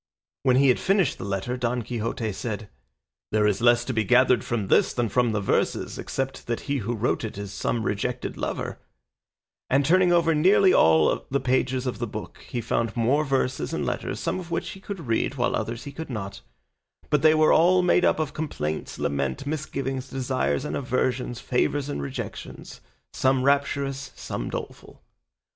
When he had finished the letter, Don Quixote said, "There is less to be gathered from this than from the verses, except that he who wrote it is some rejected lover;" and turning over nearly all the pages of the book he found more verses and letters, some of which he could read, while others he could not; but they were all made up of complaints, laments, misgivings, desires and aversions, favours and rejections, some rapturous, some doleful.